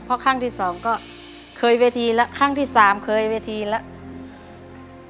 เพราะครั้งที่สองก็เคยเวทีแล้วครั้งที่สามเคยเวทีแล้ว